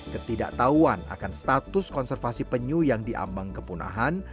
ketidaktahuan akan status konservasi penyu yang diambang kepunahan